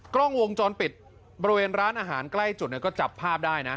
กล้องวงจรปิดบริเวณร้านอาหารใกล้จุดก็จับภาพได้นะ